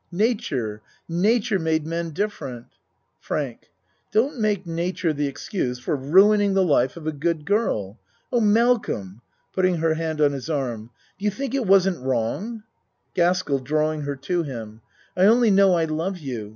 Nature, nature made men different. FRANK Don't make nature the excuse for ruin ing the life of a good girl. Oh, Malcolm (Put ting her hand on his arm.) Do you think it wasn't wrong ? GASKELL (Drawing her to him.) I only know I love you.